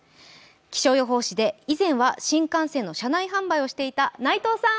気象予報士で以前は新幹線の車内販売をしていた内藤さん